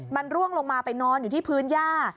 มันร่วงลงมาไปนอนอยู่ที่พื้นย่า